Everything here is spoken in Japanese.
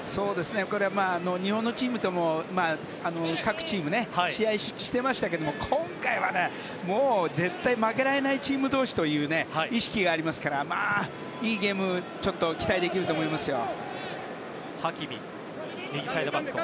これは日本のチームとも各チーム、試合してましたけど今回は、もう絶対に負けられないチーム同士という意識がありますからまあ、いいゲームが期待できると思いますよ。